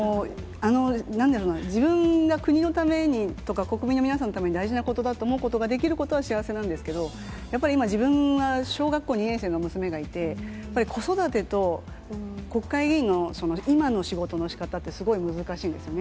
あの、なんだろうな、自分が国のためにとか国民の皆さんのために大事なことだと思えることはできることは幸せなんですけど、やっぱり今、自分は小学校２年生の娘がいて、子育てと、国会議員の今の仕事のしかたって、すごい難しいんですよね。